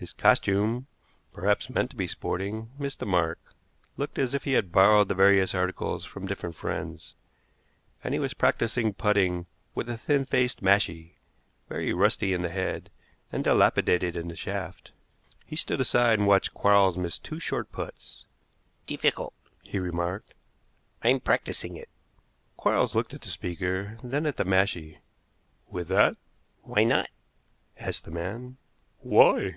His costume, perhaps meant to be sporting, missed the mark looked as if he had borrowed the various articles from different friends; and he was practicing putting with a thin faced mashie, very rusty in the head, and dilapidated in the shaft. He stood aside and watched Quarles miss two short puts. "Difficult," he remarked. "I'm practicing it." Quarles looked at the speaker, then at the mashie. "With that?" "Why not?" asked the man. "Why?"